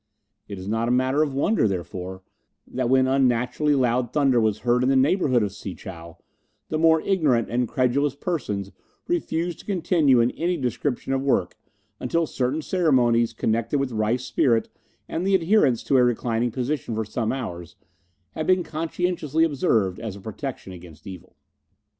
It is not a matter for wonder, therefore, that when unnaturally loud thunder was heard in the neighbourhood of Si chow the more ignorant and credulous persons refused to continue in any description of work until certain ceremonies connected with rice spirit, and the adherence to a reclining position for some hours, had been conscientiously observed as a protection against evil.